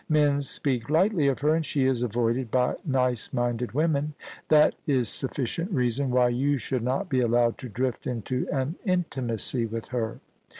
Men speak lightly of her, and she is avoided by nice minded women. That is suflScient reason why you should not be allowed to drift into an intimacy with her.'